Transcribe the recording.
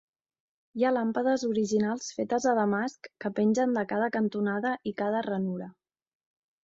Hi ha làmpades orientals fetes a Damasc que pengen de cada cantonada i cada ranura.